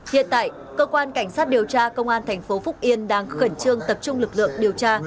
hiện tại cơ quan cảnh sát điều tra công an thành phố phúc yên đang khẩn trương tập trung lực lượng điều tra